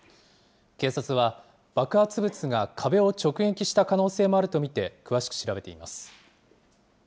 警察は、爆発物が壁を直撃した可能性もあると見て、詳しく調べています。